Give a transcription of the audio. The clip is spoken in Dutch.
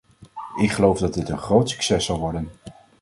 Ik geloof dat dit een groot succes zal worden.